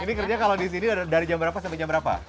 ini kerja kalau di sini dari jam berapa sampai jam berapa